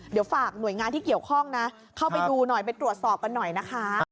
เดี๋ยวฝากหน่วยงานที่เกี่ยวข้องนะเข้าไปดูหน่อยไปตรวจสอบกันหน่อยนะคะ